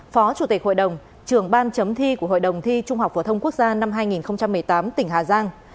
phó chủ tịch hội đồng trưởng ban chấm thi của hội đồng thi trung học phổ thông quốc gia năm hai nghìn một mươi tám tỉnh hà giang